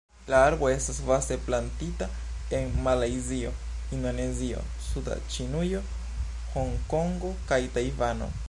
La arbo estas vaste plantita en Malajzio, Indonezio, suda Ĉinujo, Hongkongo kaj Tajvano.